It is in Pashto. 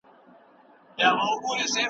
سالم ذهن شخړه نه زیاتوي.